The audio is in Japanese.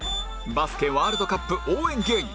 バスケワールドカップ応援芸人